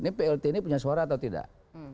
ini plt ini punya suara atau tidak